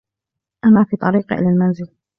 أنا في طريقي إلی المنزل